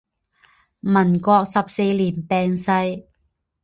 民国十四年病逝。